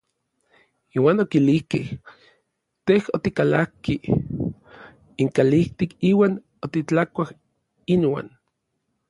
Iuan okilijkej: Tej otikalakki inkalijtik iuan otitlakuaj inuan.